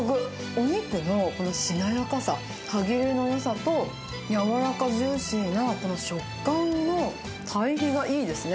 お肉のこのしなやかさ、歯切れのよさと、柔らかジューシーなこの食感の対比がいいですね。